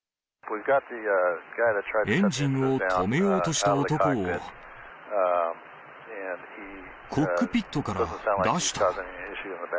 エンジンを止めようとした男を、コックピットから出した。